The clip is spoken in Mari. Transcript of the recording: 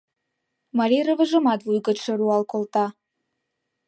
Марий рывыжымат вуй гычше руал колта.